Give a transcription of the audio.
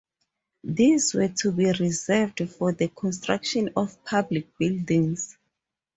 These were to be reserved for the construction of public buildings.